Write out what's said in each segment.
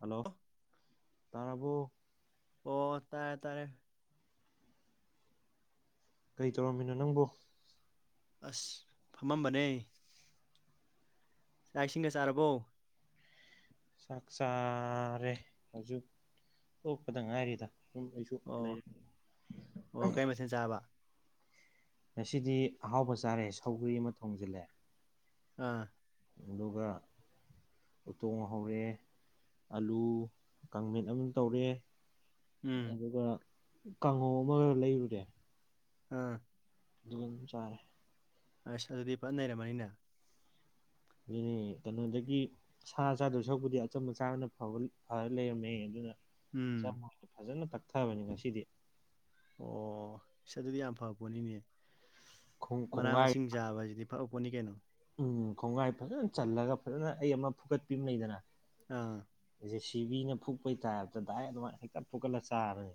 Hello ꯇꯥꯔꯕꯣ ꯑꯣ ꯇꯥꯔꯦ ꯇꯥꯔꯦ ꯀꯩ ꯇꯧꯔꯝꯃꯤꯅꯣ ꯅꯪꯕꯨ ꯑꯁ ꯐꯝꯃꯝꯕꯅꯦ ꯆꯥꯛ ꯏꯁꯤꯡꯒ ꯆꯥꯔꯕꯣ ꯆꯥꯛ ꯆꯥꯔꯦ ꯍꯧꯖꯤꯛ ꯇꯣꯛꯄꯗ ꯉꯥꯏꯔꯤꯗ ꯎꯝ ꯑꯩꯁꯨ ꯑꯣ ꯂꯩꯔꯦ ꯑꯣ ꯀꯩ ꯃꯊꯦꯜ ꯆꯥꯕ ꯉꯁꯤꯗꯤ ꯑꯍꯥꯎꯕ ꯆꯥꯔꯦ ꯁꯧꯒ꯭ꯔꯤ ꯑꯃ ꯊꯣꯡꯖꯤꯜꯂꯦ ꯑꯥ ꯑꯗꯨꯒ ꯎꯇꯣꯡ ꯍꯧꯔꯦ ꯑꯂꯨ ꯀꯥꯡꯃꯦꯠ ꯑꯃ ꯇꯧꯔꯦ ꯎꯝ ꯑꯗꯨꯒ ꯀꯥꯡꯉꯧ ꯑꯃꯒ ꯂꯩꯔꯨꯔꯦ ꯑꯥ ꯑꯗꯨꯒ ꯑꯗꯨꯡ ꯆꯥꯔꯦ ꯑꯁ ꯑꯗꯨꯗꯤ ꯐꯖꯅ ꯅꯩꯔꯝꯃꯅꯤꯅꯦ ꯑꯗꯨꯅꯤ ꯀꯩꯅꯣꯗꯒꯤ ꯁꯥ ꯆꯥꯗꯣꯢ ꯁꯔꯨꯛꯄꯨꯗꯤ ꯑꯆꯝꯕ ꯆꯥꯕꯅ ꯐꯔ ꯂꯩꯔꯝꯃꯦ ꯑꯗꯨꯅ ꯎꯝ ꯑꯆꯝꯕ ꯑꯣꯢꯅ ꯐꯖꯅ ꯇꯛꯊꯕꯅꯤ ꯉꯁꯤꯗꯤ ꯑꯣ ꯏꯁ ꯑꯗꯨꯗꯤ ꯌꯥꯝ ꯐꯕ ꯄꯣꯠꯅꯤꯅꯦ ꯈꯣꯡ ꯃꯅꯥ ꯈꯣꯡꯒꯥꯏ ꯃꯁꯤꯡ ꯆꯥꯕꯁꯤꯗꯤ ꯐꯕ ꯄꯣꯠꯅꯤ ꯀꯩꯅꯣ ꯎꯝ ꯈꯣꯡꯒꯥꯏ ꯐꯖꯅ ꯆꯜꯂꯒ ꯐꯖꯅ ꯑꯩ ꯑꯃ ꯐꯨꯀꯠꯄꯤ ꯑꯃ ꯂꯩꯗꯅ ꯑꯥ ꯖꯦ ꯁꯤ ꯕꯤꯅ ꯐꯨꯛꯄꯩ ꯇꯥꯢꯄꯇ ꯗꯥꯢꯔꯦꯛ ꯑꯗꯨꯃꯥꯏꯅ ꯍꯦꯛꯇ ꯐꯨꯛꯀꯠꯂ ꯆꯥꯕꯅꯤ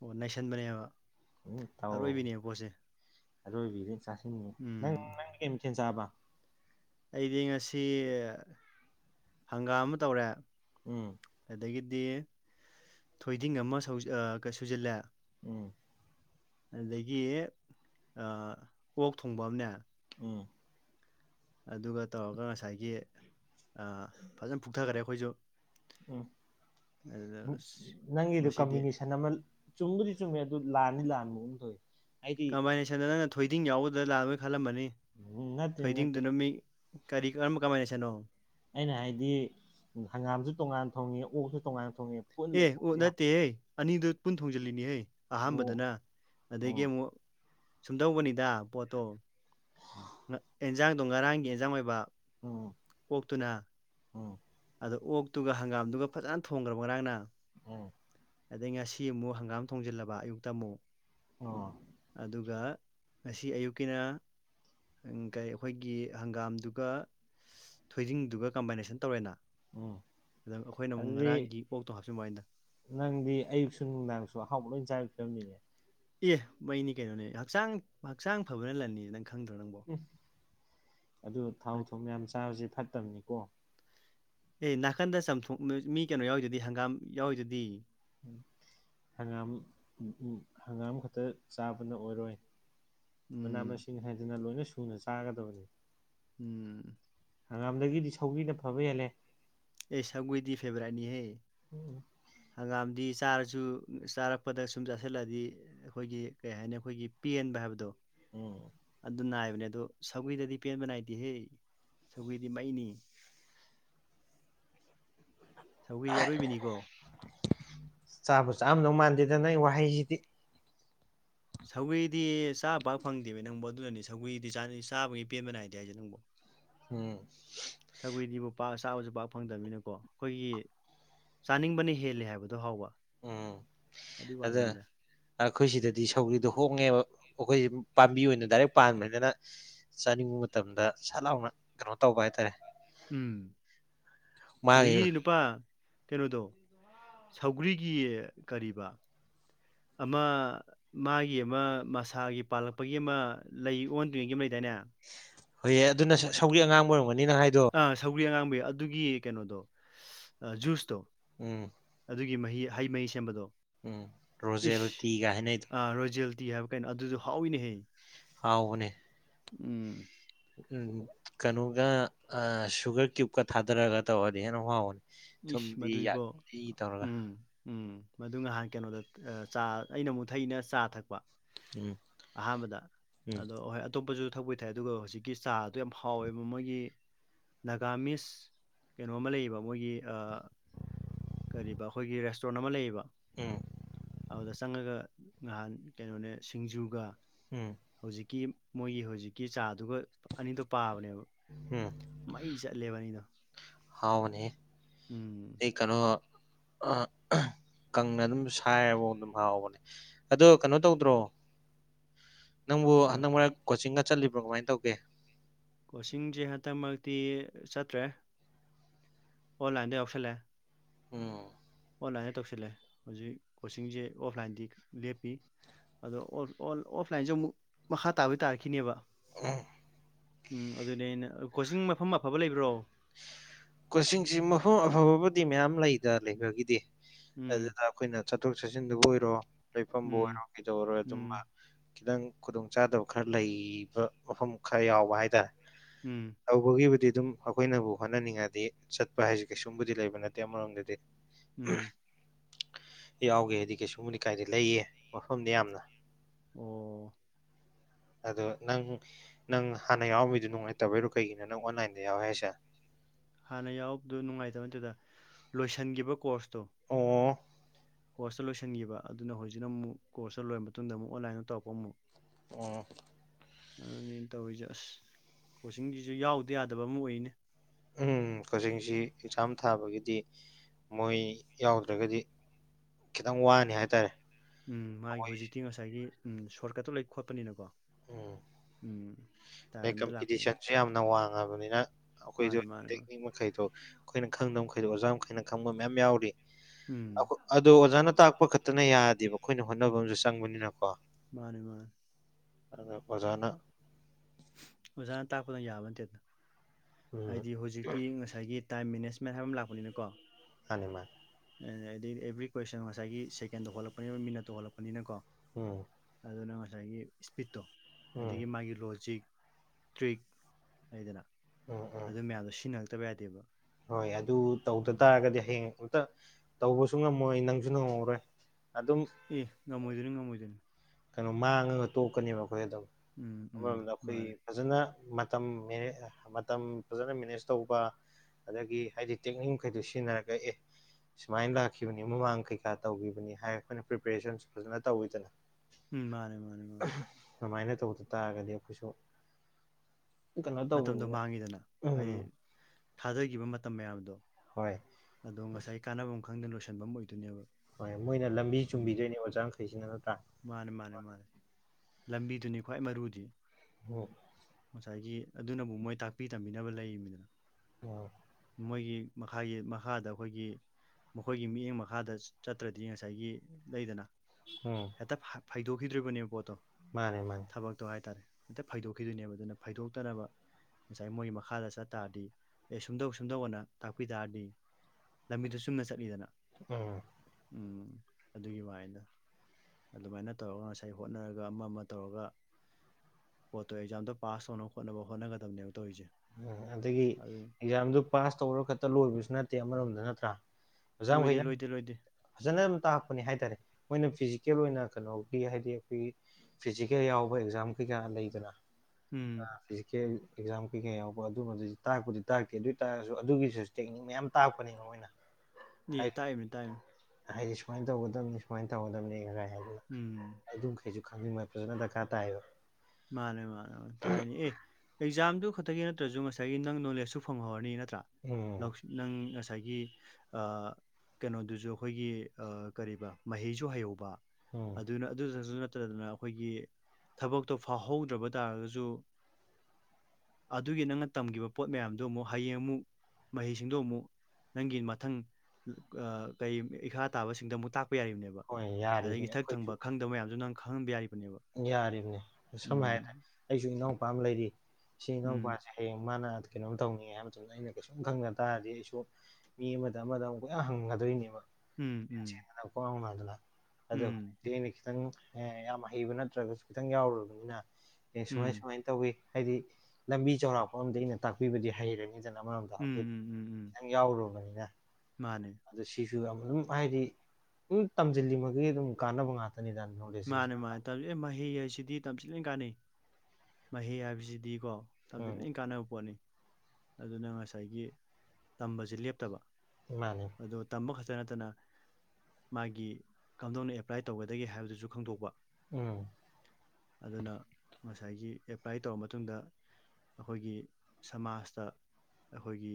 ꯑꯣ ꯅꯩꯁꯟꯕꯅꯦꯕ ꯑꯔꯣꯏꯕꯤꯅꯦꯕ ꯄꯣꯠꯁꯦ ꯑꯔꯣꯏꯕꯤꯅꯦ ꯆꯥꯁꯤꯟꯒ꯭ꯔꯦ ꯅꯪ ꯎꯝ ꯅꯪ ꯀꯩ ꯃꯊꯦꯜ ꯆꯥꯕ ꯑꯩꯗꯤ ꯉꯁꯤ ꯍꯪꯒꯥꯝ ꯑꯃ ꯇꯧꯔꯦ ꯎꯝ ꯑꯗꯒꯤꯗꯤ ꯊꯣꯏꯗꯤꯡ ꯑꯃ ꯁꯧ ꯁꯨꯖꯤꯜꯂꯦ ꯎꯝ ꯑꯗꯒꯤ ꯑꯣꯛ ꯊꯣꯡꯕ ꯑꯃꯅꯦ ꯎꯝ ꯑꯗꯨꯒ ꯇꯧꯔꯒ ꯉꯁꯥꯏꯒꯤ ꯐꯖꯅ ꯐꯛꯊꯈꯔꯦ ꯑꯩꯈꯣꯏꯁꯨ ꯎꯝ ꯑꯗꯨꯗ ꯑꯁ ꯅꯪꯒꯤꯗꯨ ꯉꯁꯤꯗꯤ ꯀꯝꯕꯤꯅꯦꯁꯟ ꯑꯃ ꯆꯨꯝꯕꯨꯗꯤ ꯆꯨꯝꯃꯦ ꯑꯗꯨ ꯂꯥꯟꯗꯤ ꯂꯥꯟꯂꯦ ꯀꯝꯕꯥꯏꯅꯦꯁꯟꯗꯣ ꯅꯪꯅ ꯊꯣꯏꯗꯤꯡ ꯌꯥꯎꯕꯗꯨꯗ ꯂꯥꯛꯕꯣꯏ ꯈꯜꯂꯝꯃꯅꯤ ꯅꯠꯇꯦ ꯅꯠꯇꯦ ꯊꯣꯏꯗꯤꯡꯗꯨꯅ ꯃꯤ ꯀꯔꯤ ꯀꯔꯝꯕ ꯀꯝꯕꯥꯏꯅꯦꯁꯟꯅꯣ ꯑꯩꯅ ꯍꯥꯏꯗꯤ ꯍꯪꯒꯥꯝꯁꯨ ꯇꯣꯡꯉꯥꯟ ꯊꯣꯡꯉꯤ ꯑꯣꯛꯁꯨ ꯇꯣꯉꯥꯟ ꯊꯣꯡ ꯑꯦ ꯑꯣ ꯅꯠꯇꯦꯍꯦ ꯑꯅꯤꯗꯨ ꯄꯨꯟ ꯊꯣꯡꯖꯤꯜꯂꯤꯅꯤ ꯍꯦ ꯎꯝ ꯑꯍꯥꯟꯕꯗꯅ ꯑꯗꯒꯤ ꯎꯝ ꯑꯃꯨꯛ ꯁꯨꯝꯗꯧꯕꯅꯤꯗ ꯄꯣꯠꯇꯣ ꯑꯦꯟꯖꯥꯡꯗꯣ ꯉꯔꯥꯡꯒꯤ ꯑꯦꯟꯖꯥꯡ ꯑꯣꯏꯕ ꯎꯝ ꯑꯣꯛꯇꯨꯅ ꯑꯗꯣ ꯑꯣꯛꯇꯨꯒ ꯍꯪꯒꯥꯝꯗꯨꯒ ꯐꯖꯅ ꯊꯣꯡꯈ꯭ꯔꯕ ꯉꯔꯥꯡꯅ ꯎꯝ ꯑꯗꯩ ꯉꯁꯤ ꯑꯃꯨꯛ ꯍꯪꯒꯥꯝ ꯊꯣꯡꯖꯤꯜꯂꯕ ꯑꯌꯨꯛꯇ ꯑꯃꯨꯛ ꯑꯣ ꯑꯗꯨꯒ ꯉꯁꯤ ꯑꯌꯨꯛꯀꯤꯅ ꯀꯩ ꯑꯩꯈꯣꯏꯒꯤ ꯍꯪꯒꯝꯗꯨꯒ ꯊꯣꯏꯗꯤꯡꯗꯨꯒ ꯀꯝꯕꯥꯏꯅꯦꯁꯟ ꯇꯧꯔꯦꯅ ꯎꯝ ꯑꯗꯨꯝ ꯑꯩꯈꯣꯏꯅ ꯑꯃꯨꯛ ꯑꯗꯨꯗꯤ ꯉꯔꯥꯡꯒꯤ ꯑꯣꯛꯇꯣ ꯍꯥꯞꯆꯤꯟꯕ ꯋꯥꯅꯤꯗ ꯅꯪꯗꯤ ꯑꯌꯨꯛꯁꯨ ꯅꯨꯡꯗꯥꯡꯁꯨ ꯑꯍꯥꯎꯕ ꯂꯣꯏ ꯆꯥꯔ ꯆꯝꯅꯤ ꯑꯦ ꯃꯩꯅꯤ ꯀꯩꯅꯣꯅꯦ ꯍꯛꯆꯥꯡ ꯍꯛꯆꯥꯡ ꯐꯕꯅ ꯂꯟꯅꯤ ꯅꯪ ꯈꯪꯗ꯭ꯔꯣ ꯅꯪꯕꯣ ꯑꯗꯨ ꯊꯥꯎ ꯊꯨꯝ ꯌꯥꯝ ꯆꯥꯕꯁꯦ ꯐꯠꯇꯕꯅꯤꯀꯣ ꯑꯦ ꯅꯥꯀꯟꯗ ꯆꯝꯊꯣꯡ ꯃꯤ ꯀꯩꯅꯣ ꯌꯥꯎꯗꯨꯗꯤ ꯍꯪꯒꯥꯝ ꯌꯥꯎꯏꯗꯨꯗꯤ ꯎ ꯍꯪꯒꯥꯝ ꯍꯪꯒꯥꯝ ꯈꯛꯇ ꯆꯥꯕꯅ ꯑꯣꯏꯔꯣꯏ ꯃꯅꯥ ꯎꯝ ꯃꯁꯤꯡ ꯍꯥꯏꯗꯅ ꯂꯣꯏꯅ ꯁꯨꯅ ꯆꯥꯒꯗꯕꯅꯤ ꯎꯝ ꯍꯪꯒꯥꯝꯗꯒꯤꯗꯤ ꯁꯧꯒꯤꯅ ꯐꯕ ꯍꯦꯜꯂꯦ ꯑꯦ ꯁꯧꯒ꯭ꯔꯤꯗꯤ ꯐꯦꯕꯔꯥꯏꯠꯅꯤꯍꯦ ꯍꯪꯒꯥꯝꯗꯤ ꯆꯥꯔꯖꯨ ꯆꯥꯔꯛꯄꯗ ꯁꯨꯝ ꯆꯥꯁꯤꯜꯂꯛꯂꯗꯤ ꯑꯩꯈꯣꯏꯒꯤ ꯀꯩ ꯍꯥꯏꯅꯤ ꯑꯩꯈꯣꯏꯒꯤ ꯄꯦꯟꯕ ꯍꯥꯏꯕꯗꯣ ꯎꯝ ꯑꯗꯨ ꯅꯥꯏꯕ ꯑꯗꯣ ꯁꯧꯒ꯭ꯔꯤꯗꯗꯤ ꯄꯦꯟꯕ ꯅꯥꯏꯗꯦꯍꯦ ꯁꯧꯒ꯭ꯔꯤꯗꯗꯤ ꯃꯩꯅꯤ [inaudible] ꯁꯧꯒꯤ ꯑꯔꯣꯏꯕꯤꯅꯤꯀꯣ ꯆꯥꯕꯨ ꯆꯥꯝꯗꯧ ꯃꯥꯟꯗꯦꯗ ꯅꯪ ꯋꯥꯍꯩꯖꯤꯗꯤ ꯁꯧꯒ꯭ꯔꯤꯗꯤ ꯆꯥꯕ ꯄꯥꯛ ꯐꯪꯗꯦꯕ ꯅꯪꯕꯨ ꯑꯗꯨꯅꯅꯤ ꯁꯧꯒ꯭ꯔꯤꯗꯤ ꯆꯥꯕꯒꯤ ꯄꯦꯟꯕ ꯅꯥꯏꯗꯦ ꯍꯥꯏꯖꯦ ꯅꯪꯕꯨ ꯎꯝ ꯆꯥꯕꯖꯨ ꯄꯥꯛ ꯐꯪꯗꯕꯅꯤꯅꯀꯣ ꯈꯣꯏꯒꯤ ꯆꯥꯅꯤꯡꯕꯅ ꯍꯦꯜꯂꯦ ꯍꯥꯏꯕꯗꯣ ꯍꯥꯎꯕ ꯎꯝ ꯑꯗꯨꯏ ꯋꯥꯔꯤꯅꯤꯗ ꯈꯣꯏ ꯁꯤꯗꯗꯤ ꯁꯧꯒ꯭ꯔꯤꯗꯣ ꯍꯣꯡꯉꯦꯕ ꯑꯈꯣꯏ ꯄꯥꯝꯕꯤ ꯑꯣꯏꯅ ꯗꯥꯏꯔꯦꯛ ꯄꯥꯟꯕꯅꯤꯅ ꯆꯥꯅꯤꯡꯕ ꯃꯇꯝꯗ ꯁꯠ ꯂꯥꯎꯅ ꯀꯩꯅꯣ ꯇꯧꯕ ꯍꯥꯏꯇꯔꯦ ꯎꯝ ꯃꯥꯒꯤ ꯑꯗꯒꯤ ꯅꯨꯄꯥ ꯀꯩꯅꯣꯗꯣ ꯁꯧꯒ꯭ꯔꯤꯒꯤ ꯀꯔꯤꯕ ꯑꯃ ꯃꯥꯒꯤ ꯑꯃ ꯃꯁꯥꯒꯤ ꯄꯥꯜꯂꯛꯄꯒꯤ ꯑꯃ ꯂꯩ ꯑꯣꯟꯗ꯭ꯔꯤꯉꯩꯒꯤ ꯃ ꯗꯦꯅꯦ ꯍꯣꯏꯑꯦ ꯑꯗꯨꯅ ꯁꯧꯒ꯭ꯔꯤ ꯑꯉꯥꯡꯕ ꯑꯣꯏꯔꯝꯒꯅꯤ ꯅꯪ ꯍꯥꯏꯗꯣ ꯑꯥ ꯁꯧꯒ꯭ꯔꯤ ꯑꯉꯥꯡꯕꯩ ꯑꯗꯨꯒꯤ ꯀꯩꯅꯣꯗꯣ ꯖꯨꯁꯇꯣ ꯎꯝ ꯑꯗꯨꯒꯤ ꯃꯍꯤ ꯍꯩ ꯃꯍꯤ ꯁꯦꯝꯕꯗꯣ ꯎꯝ ꯔꯣꯖꯦꯜ ꯏꯁ ꯇꯤꯒ ꯍꯥꯏꯅꯩꯗꯣ ꯑ ꯔꯣꯖꯦꯜꯇꯤ ꯍꯥꯏꯕ ꯀꯩꯅꯣ ꯑꯗꯨꯖꯨ ꯍꯥꯎꯋꯤꯅꯦꯍꯦ ꯍꯥꯎꯕꯅꯦ ꯎꯝ ꯎꯝ ꯀꯩꯅꯣꯒ ꯑ ꯁꯨꯒꯔ ꯀꯤꯌꯨꯞꯀ ꯊꯥꯗꯔꯒ ꯇꯧꯔꯗꯤ ꯍꯦꯟꯅ ꯍꯥꯎꯕꯅꯤ ꯏꯁ ꯊꯨꯝꯗꯤ ꯃꯗꯨꯏꯕꯣ ꯌꯥꯛꯂꯤ ꯇꯧꯔꯒ ꯎꯝ ꯎꯝ ꯃꯗꯨ ꯉꯍꯥꯟ ꯀꯩꯅꯣꯗ ꯆꯥ ꯑꯩꯅ ꯑꯃꯨꯛ ꯊꯛꯏꯅ ꯆꯥ ꯊꯛꯄ ꯎꯝ ꯑꯍꯥꯟꯕꯗ ꯎꯝ ꯑꯗꯣ ꯍꯣꯏ ꯑꯇꯣꯞꯄꯖꯨ ꯊꯛꯄꯨꯗꯤ ꯊꯥꯛꯑꯦ ꯑꯗꯨꯒ ꯍꯧꯖꯤꯛꯀꯤ ꯆꯥꯗꯣ ꯌꯥꯝ ꯍꯥꯎꯋꯦꯕ ꯃꯣꯏꯒꯤ ꯅꯒꯥꯃꯤꯁ ꯀꯩꯅꯣꯝꯃꯥ ꯂꯩꯌꯦꯕ ꯃꯣꯏꯒꯤ ꯑꯥ, ꯀꯔꯤꯕ ꯑꯩꯈꯣꯏꯒꯤ ꯔꯦꯁꯇ꯭ꯔꯣꯟ ꯑꯃ ꯂꯩꯌꯦꯕ ꯎꯝ ꯑꯗꯨꯗ ꯆꯪꯉꯒ ꯅꯍꯥꯟ ꯀꯩꯅꯣꯅꯦ ꯁꯤꯡꯖꯨꯒ ꯎꯝ ꯍꯧꯖꯤꯛꯀꯤ ꯃꯣꯏꯒꯤ ꯍꯧꯖꯤꯛꯀꯤ ꯆꯥꯗꯨꯒ ꯑꯅꯤꯗꯨ ꯄꯥꯕꯅꯦꯕ ꯎꯝ ꯃꯩ ꯆꯠꯂꯦꯕ ꯑꯅꯤꯗꯣ ꯍꯥꯎꯕꯅꯦꯍꯦ ꯎꯝ ꯑꯥ ꯀꯪꯅ ꯑꯗꯨꯝ ꯁꯥꯏꯕꯥꯎ ꯑꯗꯨꯝ ꯍꯥꯎꯕꯅꯦ ꯑꯗꯣ ꯀꯩꯅꯣ ꯇꯧꯗ꯭ꯔꯣ ꯅꯪꯕꯨ ꯍꯥꯏꯔꯣ. ꯍꯟꯗꯛ ꯃꯔꯛ ꯀꯣꯆꯤꯡꯒ ꯆꯠꯂꯤꯕ꯭ꯔꯣ ꯀꯃꯥꯏꯅ ꯇꯧꯒꯦ ꯀꯣꯆꯤꯡꯁꯦ ꯍꯟꯗꯛꯃꯔꯛꯇꯤ ꯆꯠꯇ꯭ꯔꯦ ꯑꯣꯟ ꯂꯥꯏꯟꯗ ꯌꯥꯎꯁꯟꯂꯦ ꯎꯝ ꯑꯣꯟꯂꯥꯏꯟꯗ ꯇꯧꯁꯤꯜꯂꯦ ꯍꯧꯖꯤꯛ ꯀꯣꯆꯤꯡꯖꯦ ꯑꯣꯐꯂꯥꯏꯟꯗꯤ ꯂꯦꯞꯄꯤ ꯑꯗꯣ ꯑꯣꯜ ꯑꯣꯜ ꯑꯣꯐꯂꯥꯏꯟꯖꯦ ꯑꯃꯨꯛ ꯃꯈꯥ ꯇꯥꯕꯗꯤ ꯇꯥꯔꯛꯈꯤꯅꯦꯕ ꯑꯣ ꯎꯝ ꯑꯗꯨꯅꯦ ꯑꯩꯅ ꯀꯣꯆꯤꯡ ꯃꯐꯝ ꯑꯐꯕ ꯂꯩꯕ꯭ꯔꯣ ꯀꯣꯆꯤꯡꯁꯤ ꯃꯐꯝ ꯑꯐꯕꯕꯨꯗꯤ ꯃꯌꯥꯝ ꯂꯩꯗ ꯂꯩꯕꯒꯤꯗꯤ ꯎꯝ ꯑꯗꯨꯗ ꯑꯩꯈꯣꯏꯅ ꯆꯠꯊꯣꯛ ꯆꯠꯁꯤꯟꯗꯕꯨ ꯑꯣꯏꯔꯣ ꯂꯩꯐꯝꯕꯨ ꯎꯝ ꯑꯣꯏꯔꯣ ꯀꯩꯗꯧ ꯑꯣꯏꯔꯣ ꯑꯗꯨꯝꯕ ꯎꯝ ꯈꯤꯇꯪ ꯈꯨꯗꯣꯡꯆꯥꯗꯕ ꯈꯔ ꯂꯩꯕ ꯃꯐꯝ ꯈꯔ ꯌꯥꯎꯕ ꯍꯥꯏꯇꯥꯔꯦ ꯎꯝ ꯇꯧꯕꯒꯤꯕꯨꯗꯤ ꯑꯗꯨꯝ ꯍꯧ ꯑꯩꯈꯣꯏꯅꯕꯨ ꯍꯣꯠꯅꯅꯤꯡꯉꯥꯏꯗꯤ ꯆꯠꯄ ꯍꯥꯏꯁꯤ ꯀꯩꯁꯨꯝꯕꯨꯗꯤ ꯂꯩꯕ ꯅꯠꯇꯦ ꯑꯃꯔꯣꯝꯗꯗꯤ ꯎꯝ ꯌꯥꯎꯒꯦ ꯍꯥꯏꯗꯤ ꯀꯩꯁꯨꯝꯕꯨꯗꯤ ꯀꯥꯏꯗꯦ ꯂꯩꯌꯦ ꯃꯐꯝꯗꯤ ꯌꯥꯝꯅ ꯑꯣ ꯑꯗꯣ ꯅꯪ ꯅꯪ ꯍꯥꯟꯅ ꯌꯥꯎꯔꯝꯃꯤꯗꯨ ꯅꯨꯡꯉꯥꯏꯇꯕꯩꯔꯣ ꯀꯩꯒꯤꯅꯣ ꯅꯪ ꯑꯣꯟꯂꯥꯏꯟꯗ ꯌꯥꯎꯋꯦ ꯍꯥꯏꯁꯦ ꯍꯥꯟꯅ ꯌꯥꯎꯕꯗꯨ ꯅꯨꯡꯉꯥꯏꯇꯕ ꯅꯠꯇꯦꯗ ꯂꯣꯏꯁꯟꯒꯤꯕ ꯀꯣ꯭ꯔꯁ ꯑꯣ ꯀꯣ꯭ꯔꯁꯇꯣ ꯂꯣꯏꯁꯟꯒꯤꯕ ꯑꯗꯨꯅ ꯍꯧꯖꯤꯛꯅ ꯑꯃꯨꯛ ꯀꯣ꯭ꯔꯁꯇ ꯂꯣꯏꯔꯕ ꯃꯇꯨꯡꯗ ꯑꯃꯨꯛ ꯑꯣꯟꯂꯥꯏꯟꯗ ꯇꯧꯔꯛꯄ ꯑꯃꯨꯛ ꯑꯣ ꯑꯗꯨꯅꯦ ꯑꯩꯅ ꯇꯧꯔꯤꯖꯦ ꯑꯁ ꯀꯣꯆꯤꯡꯖꯤꯖꯨ ꯌꯥꯎꯗ ꯌꯥꯗꯕ ꯑꯃ ꯑꯣꯏꯅꯦ ꯎꯝ ꯀꯣꯆꯤꯡꯁꯤ ꯑꯦꯛꯖꯥꯝ ꯊꯥꯕꯒꯤꯗꯤ ꯃꯣꯏ ꯌꯥꯎꯗ꯭ꯔꯒꯗꯤ ꯈꯤꯇꯪ ꯋꯥꯅꯤ ꯍꯥꯏꯇꯥꯔꯦ ꯎꯝ ꯃꯥꯒꯤ ꯑꯩꯈꯣꯏ ꯍꯧꯖꯤꯛꯇꯤ ꯉꯁꯥꯏꯒꯤ ꯎꯝ ꯁꯣꯔꯠꯀꯠꯇ ꯂꯣꯏ ꯈꯣꯠꯄꯅꯤꯅꯀꯣ ꯎꯝ ꯇꯥꯏꯝꯗ ꯂꯥꯛꯄꯅꯤꯅ ꯀꯝꯄꯤꯇꯤꯁꯟꯖꯨ ꯌꯥꯝꯅ ꯋꯥꯡꯉꯕꯅꯤꯅ ꯑꯩꯈꯣꯏꯗꯣ ꯃꯥꯅꯦ ꯃꯥꯅꯦ ꯃꯥꯅꯦ ꯇꯦꯛꯅꯤꯛ ꯃꯈꯩꯗꯣ ꯑꯩꯈꯣꯏꯅ ꯈꯪꯗꯕ ꯑꯣꯖꯥ ꯃꯈꯩꯅ ꯈꯪꯕ ꯃꯌꯥꯝ ꯌꯥꯎꯔꯤ ꯎꯝ ꯑꯈꯣ ꯑꯗꯣ ꯑꯣꯖꯥꯅ ꯇꯥꯛꯄ ꯈꯛꯇꯅ ꯌꯥꯗ ꯗꯦꯕ ꯑꯈꯣꯏꯅ ꯍꯣꯠꯅꯕ ꯑꯃꯖꯨ ꯆꯪꯕꯅꯤꯅꯀꯣ ꯃꯥꯅꯦ ꯃꯥꯅꯦ ꯑꯅꯥ ꯑꯣꯖꯥꯅ ꯑꯣꯖꯥꯅ ꯇꯥꯛꯄꯅ ꯌꯥꯕ ꯅꯠꯇꯦꯗ ꯎꯝ ꯍꯥꯏꯗꯤ ꯍꯧꯖꯤꯛꯇꯤ ꯉꯁꯥꯏꯒꯤ ꯇꯥꯏꯝ ꯃꯦꯅꯦꯖꯃꯦꯟ ꯍꯥꯏꯕ ꯑꯃ ꯂꯥꯛꯄꯅꯤꯅꯀꯣ ꯃꯥꯅꯦ ꯃꯥꯅꯦ ꯑꯥꯏꯗꯤ ꯑꯦꯕ꯭ꯔꯤ ꯀꯣꯏꯁꯟ ꯉꯁꯥꯏꯒꯤ ꯁꯦꯀꯦꯟꯗ ꯍꯣꯜꯂꯛꯄꯅꯤꯅ ꯃꯤꯅꯠꯇꯣ ꯍꯣꯜꯂꯛꯄꯅꯤꯅꯀꯣ ꯎꯝ ꯑꯗꯨꯅ ꯉꯁꯥꯏꯒꯤ ꯏꯁꯄꯤꯠꯇꯣ ꯎꯝ ꯑꯗꯒꯤ ꯃꯥꯒꯤ ꯂꯣꯖꯤꯛ ꯇ꯭ꯔꯤꯛ ꯂꯩꯗꯅ ꯎꯝ ꯎꯝ ꯑꯗꯨ ꯃꯌꯥꯝꯗꯣ ꯁꯤꯖꯤꯟꯅꯔꯛꯇꯕ ꯌꯥꯗꯦꯕ ꯍꯣꯏ ꯑꯗꯨ ꯇꯧꯗ ꯎꯝ ꯇꯥꯔꯒꯗꯤ ꯍꯌꯦꯡ ꯇ ꯇꯧꯕꯁꯨ ꯉꯝꯃꯣꯏ ꯅꯪꯁꯨ ꯅꯪꯍꯧꯔꯣꯏ ꯑꯗꯨꯝ ꯑꯦ ꯉꯃꯣꯏꯗꯣꯏꯅꯤ ꯉꯝꯃꯣꯏꯗꯣꯏꯅꯤ ꯀꯩꯅꯣ ꯃꯥꯡꯉꯒ ꯇꯣꯛꯀꯅꯦꯕ ꯑꯩꯈꯣꯏ ꯑꯗꯨꯝ ꯎꯝ ꯎꯝ ꯑꯃꯔꯣꯝꯗ ꯑꯩꯈꯣꯏ ꯃꯥꯅꯦ ꯐꯖꯅ ꯃꯠ ꯇꯝ ꯃꯦꯅꯦ ꯃꯇꯝ ꯐꯖꯅ ꯃꯦꯅꯦꯖ ꯇꯧꯕ ꯑꯗꯒꯤ ꯍꯥꯏꯗꯤ ꯇꯦꯛꯅꯤꯡꯈꯩꯗ ꯁꯤꯖꯤꯟꯅꯔꯒ ꯑꯦ ꯁꯨꯃꯥꯏꯅ ꯂꯥꯛꯈꯤꯕꯅꯤ ꯃꯃꯥꯡ ꯀꯩꯀꯥ ꯇꯧꯈꯤꯕꯅꯤ ꯍꯥꯏ ꯑꯩꯈꯣꯏꯅ ꯄ꯭ꯔꯤꯄꯦꯔꯦꯁꯟꯁꯨ ꯐꯖꯅ ꯇꯧꯋꯤꯗꯅ ꯎꯝ ꯃꯥꯅꯦ ꯃꯥꯅꯦ ꯃꯥꯅꯦ ꯑꯗꯨꯃꯥꯏꯅ ꯇꯧꯗ ꯇꯥꯔꯒꯗꯤ ꯑꯩꯈꯣꯏꯁꯨ ꯀꯩꯅꯣ ꯃꯇꯝꯗꯣ ꯇꯧꯕꯅꯤꯅ ꯃꯥꯡꯉꯤꯗꯅ ꯍꯥꯏꯗꯤ ꯎꯝ ꯊꯥꯗꯒꯤꯕ ꯃꯇꯝ ꯃꯌꯥꯝꯗꯣ ꯍꯣꯏ ꯑꯗꯣ ꯉꯁꯥꯏ ꯀꯥꯟꯅꯐꯝ ꯈꯪꯗꯅ ꯂꯣꯏꯁꯟꯕ ꯑꯃ ꯑꯣꯏꯗꯣꯏꯅꯦꯕ ꯍꯣꯏ ꯃꯣꯏꯅ ꯂꯝꯕꯤ ꯎꯝ ꯆꯨꯝꯕꯤꯗꯣꯏꯅꯦ ꯑꯣꯖꯥ ꯃꯈꯩꯁꯤꯅ ꯅꯠꯇ꯭ꯔꯥ ꯃꯥꯅꯦ ꯃꯥꯅꯦ ꯃꯥꯅꯦ ꯂꯝꯕꯤꯗꯨꯅꯤ ꯈ꯭ꯋꯥꯏ ꯃꯔꯨꯗꯤ ꯎꯝ ꯉꯁꯥꯏꯒꯤ ꯑꯗꯨꯅꯕꯨ ꯃꯣꯏ ꯇꯥꯛꯄꯤ ꯇꯝꯕꯤꯅꯕ ꯂꯩꯔꯤꯃꯤꯗꯅ ꯑꯣ ꯃꯣꯏꯒꯤ ꯃꯈꯥꯒꯤ ꯃꯈꯥꯗ ꯈꯣꯏꯒꯤ ꯃꯈꯣꯏꯒꯤ ꯃꯤꯠꯌꯦꯡ ꯃꯈꯥꯗ ꯆꯠꯇ꯭ꯔꯗꯤ ꯉꯁꯥꯏꯒꯤ ꯂꯩꯗꯅ ꯎꯝ ꯍꯦꯛꯇ ꯐꯩꯗꯣꯛꯈꯤꯗ꯭ꯔꯨꯕꯅꯦꯕ ꯄꯣꯠꯇꯣ ꯃꯥꯅꯦ ꯃꯥꯅꯦ ꯊꯕꯛꯇꯣ ꯍꯥꯏꯇꯥꯔꯦ ꯍꯦꯛꯇ ꯐꯩꯗꯣꯛꯈꯤꯗꯣꯏꯅꯦꯕ ꯑꯗꯨꯅ ꯐꯩꯗꯣꯛꯇꯅꯕ ꯉꯁꯥꯏ ꯃꯣꯏꯒꯤ ꯃꯈꯥꯗ ꯆꯠ ꯇꯔꯗꯤ ꯑꯦ ꯁꯨꯝꯗꯧ ꯁꯨꯝꯗꯧꯅ ꯇꯥꯛꯄꯤ ꯇꯥꯔꯗꯤ ꯂꯝꯕꯤꯗꯨ ꯆꯨꯝꯅ ꯆꯠꯂꯤꯗꯅ ꯎꯝ ꯎꯝ ꯑꯗꯨꯒꯤ ꯋꯥꯅꯤꯗ ꯑꯗꯨꯃꯥꯏꯅ ꯇꯧꯔꯒ ꯉꯁꯥꯏ ꯍꯣꯠꯅꯔꯒ ꯑꯃ ꯑꯃ ꯇꯧꯔꯒ ꯄꯣꯠꯇꯣ ꯑꯦꯛꯖꯥꯝꯗꯣ ꯄꯥꯁ ꯇꯧ ꯈꯣꯠꯅꯕ ꯍꯣꯠꯅꯒꯗꯕꯅꯦꯕ ꯇꯧꯔꯤꯁꯦ ꯎꯝ ꯑꯗꯒꯤ ꯑꯗꯨ ꯑꯦꯛꯖꯥꯝꯗꯨ ꯄꯥꯁ ꯇꯧꯔ ꯈꯛꯇ ꯂꯣꯏꯕꯁꯨ ꯅꯠꯇꯦ ꯑꯃꯔꯣꯝꯗ ꯅꯠꯇ꯭ꯔꯥ ꯑꯣꯖꯥ ꯂꯣꯏꯗꯦ ꯃꯈꯩꯅ ꯂꯣꯏꯗꯦ ꯂꯣꯏꯗꯦ ꯐꯖꯅ ꯑꯗꯨꯝ ꯇꯥꯛꯛꯄꯅꯦ ꯍꯥꯏꯇꯥꯔꯦ ꯃꯣꯏꯅ ꯐꯤꯖꯤꯀꯦꯜ ꯑꯣꯏꯅ ꯀꯩꯅꯣꯒꯤ ꯍꯥꯏꯗꯤ ꯑꯩꯈꯣꯏꯒꯤ ꯐꯤꯖꯤꯀꯦꯜ ꯌꯥꯎꯕ ꯑꯦꯛꯖꯥꯝ ꯀꯩꯀꯥ ꯂꯩꯗꯅ ꯎꯝ ꯐꯤꯖꯤꯀꯦꯜ ꯑꯦꯛꯖꯥꯝ ꯀꯩꯀꯥ ꯌꯥꯎꯕ ꯑꯗꯨꯝꯕꯗꯨꯗꯤ ꯇꯥꯛꯄꯨꯗꯤ ꯇꯥꯛꯇꯦ ꯑꯗꯨ ꯑꯣꯏ ꯇꯥꯔꯒꯁꯨ ꯑꯗꯨꯒꯤꯁꯨ ꯇꯦꯛꯅꯤꯛ ꯃꯌꯥꯝ ꯇꯥꯛꯄꯅꯦꯕ ꯃꯣꯏꯅ ꯌꯦ ꯍꯥꯏꯗꯤ ꯇꯥꯏꯃꯤ ꯇꯥꯏ ꯍꯥꯏꯗꯤ ꯁꯨꯃꯥꯏꯅ ꯇꯧꯒꯗꯕꯅꯤ ꯁꯨꯃꯥꯏꯅ ꯇꯧꯒꯗꯕꯅꯤ ꯈꯔ ꯍꯥꯏꯕꯤꯕ ꯎꯝ ꯑꯗꯨꯝꯈꯩꯖꯨ ꯈꯪꯖꯤꯟꯕ ꯐꯖꯅ ꯗꯔꯀꯥ꯭ꯔ ꯇꯥꯏꯌꯦꯕ ꯃꯥꯅꯦ ꯃꯥꯅꯦ ꯃꯥꯅꯦ ꯇꯥꯏꯅꯤ ꯑꯦ ꯑꯦꯛꯖꯥꯝꯗꯨ ꯒꯤ ꯅꯠꯇ꯭ꯔꯖꯨ ꯉꯁꯥꯏꯒꯤ ꯅꯪ ꯅꯣꯂꯦꯖꯁꯨ ꯐꯪꯍꯧꯔꯅꯤ ꯅꯠꯇ꯭ꯔꯥ ꯎꯝ ꯂꯧ ꯅꯪ ꯉꯁꯥꯏꯒꯤ ꯑ ꯀꯩꯅꯣꯗꯨꯁꯨ ꯑꯩꯈꯣꯏꯒꯤ ꯑ ꯀꯔꯤꯕ ꯃꯍꯩꯁꯨ ꯍꯩꯍꯧꯕ ꯎꯝ ꯑꯗꯨꯅ ꯑꯗꯨꯗꯁꯨ ꯅꯠꯇꯗꯅ ꯑꯩꯈꯣꯏꯒꯤ ꯊꯕꯛ ꯇꯨ ꯐꯥꯎꯍꯧꯗ꯭ꯔꯕ ꯇꯥꯔꯒꯖꯨ ꯑꯗꯨꯒꯤ ꯅꯪꯅ ꯇꯝꯒꯤꯕ ꯄꯣꯠ ꯃꯌꯥꯝꯗꯨ ꯑꯃꯨꯛ ꯍꯌꯦꯡ ꯑꯃꯨꯛ ꯃꯍꯩꯁꯤꯡꯗꯨꯣ ꯑꯃꯨꯛ ꯅꯪꯒꯤ ꯃꯊꯪ ꯑ ꯀꯩ ꯏꯈꯥ ꯇꯥꯕꯁꯤꯡꯗ ꯑꯃꯨꯛ ꯇꯥꯛ ꯌꯥꯔꯤꯕꯅꯦꯕ ꯍꯣꯏ ꯑꯗꯒꯤ ꯌꯥꯔꯤꯕꯅꯤ ꯏꯊꯛ ꯊꯪꯕ ꯈꯪꯗꯕ ꯃꯌꯥꯝꯖꯨ ꯅꯪ ꯈꯪꯍꯟꯕ ꯌꯥꯔꯤ ꯌꯥꯔꯤꯕꯅꯦ ꯁꯝꯅ ꯍꯥꯏ ꯀꯥꯟ ꯑꯩꯖꯨ ꯏꯅꯥꯎꯄꯥ ꯑꯃ ꯂꯩꯔꯤ ꯁꯤ ꯎꯝ ꯏꯅꯥꯎꯄꯥꯁꯦ ꯍꯌꯦꯡ ꯃꯥꯅ ꯀꯩꯅꯣꯝ ꯇꯧꯅꯤꯉꯦ ꯍꯥꯏꯕ ꯃꯇꯝꯗ ꯑꯩꯅ ꯀꯩꯁꯨꯝ ꯈꯪꯗ ꯇꯥꯔꯗꯤ ꯑꯩꯁꯨ ꯃꯤ ꯑꯃꯗ ꯑꯃꯗ ꯑꯃꯨꯛ ꯀꯣꯏꯍꯪ ꯍꯪꯒꯗꯣꯏꯅꯦꯕ ꯎꯝ ꯎꯝ ꯑꯗꯨꯅ ꯑꯗꯣ ꯎꯝ ꯑꯩꯅ ꯈꯤꯇꯪ ꯌꯥꯝ ꯍꯩꯕ ꯅꯠꯇ꯭ꯔꯒꯁꯨ ꯈꯤꯇꯪ ꯌꯥꯎꯔꯨꯔꯕꯅꯤꯅ ꯑꯦ ꯁꯨꯃꯥꯏ ꯎꯝ ꯁꯨꯃꯥꯏꯅ ꯇꯧꯋꯤ ꯍꯥꯏꯗꯤ ꯂꯝꯕꯤ ꯆꯧꯔꯥꯛꯄ ꯑꯝꯗꯤ ꯑꯩꯅ ꯇꯥꯛꯄꯤꯕꯗꯤ ꯍꯩꯔꯅꯤ ꯑꯃꯔꯣꯝꯗ ꯎꯝ ꯑꯩꯈꯣꯏ ꯎꯝ ꯎꯝ ꯎꯝ ꯈꯤꯇꯪ ꯌꯥꯎꯔꯨꯔꯕꯅꯤꯅ ꯃꯥꯅꯦ ꯨ ꯌꯥꯝ ꯑꯗꯨꯝ ꯍꯥꯏꯗꯤ ꯎ ꯇꯝꯖꯤꯜꯂꯤꯃꯈꯪ ꯑꯗꯨꯝ ꯀꯥꯟꯅꯕ ꯉꯥꯛꯇ ꯃꯥꯅꯦ ꯃꯥꯅꯦ ꯇꯝꯖꯩ ꯃꯍꯩ ꯍꯥꯏꯁꯤꯗꯤ ꯇꯝꯁꯤꯜꯂꯤ ꯀꯥꯟꯅꯩ ꯃꯍꯩ ꯍꯥꯏꯕꯁꯤꯗꯤꯀꯣ ꯎꯝ ꯇꯝꯁꯤꯜꯂꯤ ꯀꯥꯟꯅꯕ ꯄꯣꯠꯅꯤ ꯑꯗꯨꯅ ꯉꯁꯥꯏꯒꯤ ꯇꯝꯕꯖꯦ ꯂꯦꯞꯇꯕ ꯃꯥꯅꯤ ꯑꯗꯣ ꯇꯝꯕ ꯈꯛ ꯇ ꯅꯠꯇꯅ ꯃꯥꯒꯤ ꯀꯝꯗꯧꯅ ꯑꯦꯄ꯭ꯂꯥꯏ ꯇꯧꯒꯗꯒꯦ ꯍꯥꯏꯗꯨꯖꯨ ꯈꯪꯗꯣꯛꯄ ꯎꯝ ꯑꯗꯨꯅ ꯉꯁꯥꯏꯒꯤ ꯑꯦꯄ꯭ꯂꯥꯏ ꯇꯧꯔ ꯃꯇꯨꯡꯗ ꯑꯩꯈꯣꯏꯒꯤ ꯁꯃꯥꯖꯇ ꯑꯈꯣꯏꯒꯤ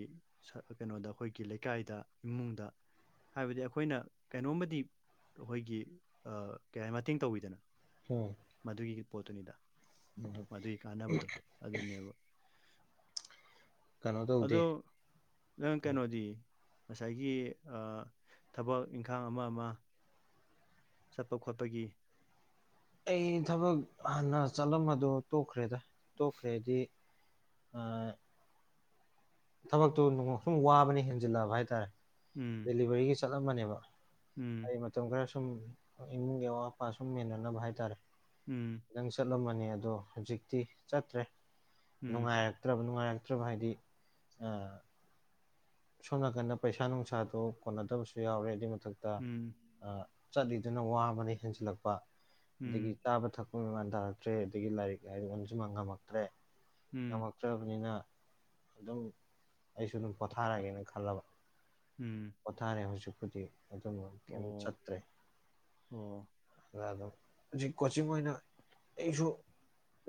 ꯀꯩꯅꯣꯗ ꯑꯩꯈꯣꯏꯒꯤ ꯂꯩꯀꯥꯏꯗ ꯏꯃꯨꯡꯗ ꯍꯥꯏꯕꯗꯤ ꯑꯩꯈꯣꯏꯅ ꯀꯩꯅꯣꯝꯃꯗꯤ ꯑꯩꯈꯣꯏꯒꯤ ꯑꯥ ꯀꯩ ꯍꯥꯏ ꯃꯇꯦꯡ ꯇꯧꯕꯤꯗꯅ ꯎꯝ ꯃꯗꯨꯒꯤ ꯄꯣꯠꯇꯨꯅꯤꯗ ꯃꯗꯨꯒꯤ ꯀꯥꯟꯅꯕꯗꯣ ꯑꯗꯨꯅꯦꯕ ꯀꯩꯅꯣ ꯇꯧꯗꯦ ꯑꯗꯣ ꯅꯪ ꯀꯩꯅꯣꯗꯤ ꯉꯁꯥꯏꯒꯤ ꯊꯕꯛ ꯏꯪꯈꯥꯡ ꯑꯃ ꯑꯃ ꯆꯠꯄ ꯈꯣꯠꯄꯒꯤ ꯑꯩ ꯊꯕꯛ ꯍꯥꯟꯅ ꯆꯠꯂꯝꯕꯗꯣ ꯇꯣꯛꯈ꯭ꯔꯦꯗ ꯇꯣꯛꯈ꯭ꯔꯦꯗꯤ ꯑꯥ ꯊꯕꯛꯇꯨ ꯅꯣꯡꯃꯁꯨꯝ ꯋꯥꯕꯅ ꯍꯦꯟꯖꯤꯜꯂꯛꯑꯕ ꯍꯥꯏꯇꯥꯔꯦ ꯎꯝ ꯗꯦꯂꯤꯚꯔꯤꯒꯤ ꯆꯠꯂꯝꯃꯅꯦꯕ ꯎꯝ ꯑꯩ ꯃꯇꯝ ꯈꯔ ꯁꯨꯝ ꯏꯃꯨꯡꯒꯤ ꯑꯋꯥꯠ ꯑꯄꯥ ꯁꯨꯝ ꯃꯦꯟꯅꯅꯕ ꯍꯥꯏꯇꯥꯔꯦ ꯎꯝ ꯈꯤꯇꯪ ꯆꯠꯂꯝꯕꯅꯦ ꯑꯗꯣ ꯍꯧꯖꯤꯛꯇꯤ ꯆꯠꯇ꯭ꯔꯦ ꯎꯝ ꯅꯨꯡꯉꯥꯏꯔꯛꯇ꯭ꯔꯕ ꯅꯨꯡꯉꯥꯏꯔꯛꯇ꯭ꯔꯕ ꯍꯥꯏꯗꯤ ꯑ ꯁꯣꯝ ꯅꯥꯀꯟꯗ ꯄꯩꯁꯥ ꯅꯨꯡꯁꯥꯗꯣ ꯀꯣꯟꯅꯗꯕꯁꯨ ꯌꯥꯎꯔꯦ ꯑꯗꯨꯏ ꯃꯊꯛꯇ ꯎꯝ ꯑ ꯆꯠꯂꯤꯗꯨꯅ ꯋꯥꯕꯅ ꯍꯦꯟꯖꯤꯜꯂꯛꯄ ꯑꯗꯒꯤ ꯎꯝ ꯆꯥꯕ ꯊꯛꯄ ꯃꯦꯟꯃꯥꯟ ꯇꯥꯔꯛꯇ꯭ꯔꯦ ꯑꯗꯒꯤ ꯂꯥꯏꯔꯤꯛ ꯍꯥꯏꯔꯦ ꯑꯣꯟꯖꯤꯟꯕ ꯉꯝꯃꯛꯇ꯭ꯔꯦ ꯎꯝ ꯉꯝꯃꯛꯇ꯭ꯔꯕꯅꯤꯅ ꯑꯗꯨꯝ ꯑꯩꯁꯨ ꯑꯗꯨꯝ ꯄꯣꯊꯥꯔꯒꯦꯅ ꯈꯜꯂꯕ ꯎꯝ ꯄꯣꯊꯥꯔꯦ ꯍꯧꯖꯤꯛꯄꯨꯗꯤ ꯑꯗꯨꯝꯕ ꯀꯌꯤꯝ ꯑꯣ ꯆꯠꯇ꯭ꯔꯦ ꯑꯣ ꯑ ꯑꯗꯨꯝ ꯍꯧꯖꯤꯛ ꯀꯣꯆꯤꯡ ꯑꯣꯏꯅ ꯑꯩꯁꯨ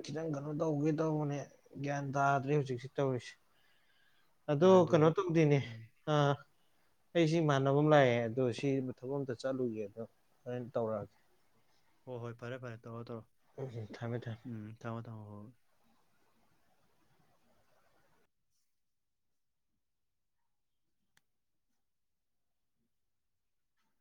ꯈꯤꯇꯪ ꯀꯩꯅꯣ ꯇꯧꯒꯦ ꯇꯧꯕꯅꯦ ꯒ꯭ꯌꯥꯟ ꯇꯥꯗ꯭ꯔꯦ ꯍꯧꯖꯤꯛꯁꯤ ꯇꯧꯔꯤꯁꯦ ꯑꯗꯨ ꯀꯩꯅꯣ ꯍꯣꯏ ꯇꯧꯗꯦꯅꯦ ꯎꯝ ꯑꯥ ꯑꯩꯁꯤ ꯏꯃꯥꯟꯅꯕ ꯑꯃ ꯂꯥꯛꯑꯦ ꯑꯗꯣ ꯁꯤ ꯊꯕꯛ ꯑꯃꯇ ꯆꯠꯂꯨꯒꯦ ꯑꯗꯣ ꯍꯣꯔꯦꯟ ꯇꯧꯔꯛꯑꯒꯦ ꯍꯣ ꯍꯣꯏ ꯐꯔꯦ ꯐꯔꯦ ꯇꯧꯔꯣ ꯊꯝꯃꯦ ꯊꯝꯃꯦ ꯇꯧꯔꯣ ꯎꯝ ꯊꯝꯃꯣ ꯊꯝꯃꯣ ꯍꯣꯏ ꯍꯣꯏ